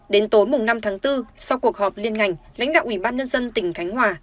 đến tối năm tháng bốn sau cuộc họp liên ngành lãnh đạo ủy ban nhân dân tỉnh khánh hòa